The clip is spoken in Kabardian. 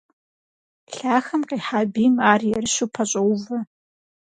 Лъахэм къихьа бийм ар ерыщу пэщӀоувэ.